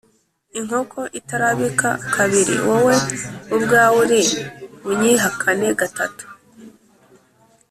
“inkoko itarabika kabiri, wowe ubwawe uri bunyihakane gatatu